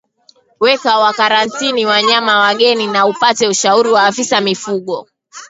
Weka karantini wanyama wageni na upate ushauri wa afisa mifugo